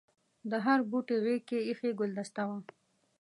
د هر بوټي غېږ کې ایښي ګلدسته وه.